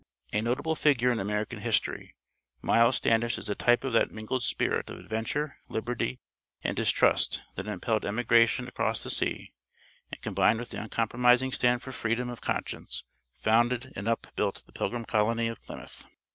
A notable figure in American history, Miles Standish is a type of that mingled spirit of adventure, liberty, and distrust that impelled emigration across the sea and, combined with the uncompromising stand for freedom of conscience, founded and up built the Pilgrim Colony of Plymouth.